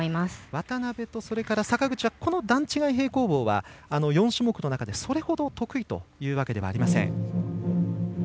渡部と坂口はこの段違い平行棒は４種目の中でそれほど得意というわけではありません。